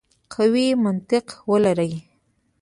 قوي منطق ولري.